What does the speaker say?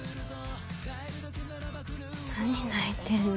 何泣いてんの？